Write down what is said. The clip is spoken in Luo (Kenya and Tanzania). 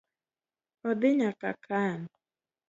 Odhi nyaka kan.